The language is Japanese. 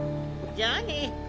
じゃあね。